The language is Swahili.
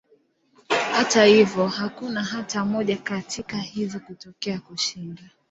Hata hivyo, hakuna hata moja katika hizo kutokea kushinda.